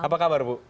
apa kabar ibu